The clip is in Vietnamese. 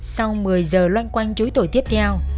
sau một mươi giờ loanh quanh chối tuổi tiếp theo